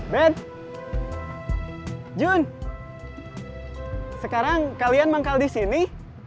bet jun sekarang kalian mengkal disini